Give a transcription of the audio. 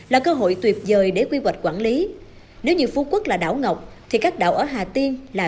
là cơ hội tuyệt vời để quy hoạch quản lý nếu như phú quốc là đảo ngọc thì các đảo ở hà tiên là